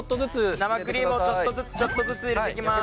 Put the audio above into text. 生クリームをちょっとずつちょっとずつ入れていきます。